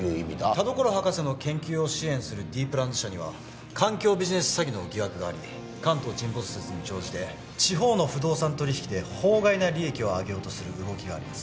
田所博士の研究を支援するＤプランズ社には環境ビジネス詐欺の疑惑があり関東沈没説に乗じて地方の不動産取引で法外な利益を上げようとする動きがあります